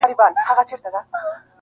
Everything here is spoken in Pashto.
یوه ورځ یې زوی له ځان سره سلا سو-